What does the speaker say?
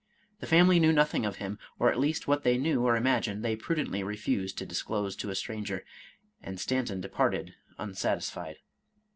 The family knew nothing of him, or at least what they knew or imagined, they prudently refused to disclose to a stranger, and Stan ton departed unsatisfied.